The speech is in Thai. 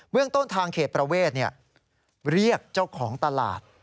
เรื่องต้นทางเขตประเวทเรียกเจ้าของตลาด